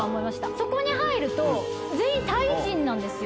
そこに入ると全員タイ人なんですよ。